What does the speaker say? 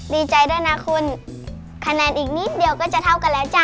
ดีใจด้วยนะคุณคะแนนอีกนิดเดียวก็จะเท่ากันแล้วจ้ะ